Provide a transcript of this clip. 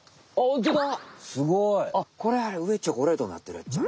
すごい！あっこれあれうえチョコレートになってるやっちゃ。